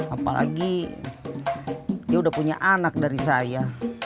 apalagi dia udah punya anak dari saya